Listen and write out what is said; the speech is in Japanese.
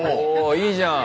いいじゃん。